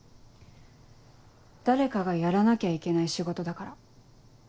誰かがやらなきゃいけない仕事だから。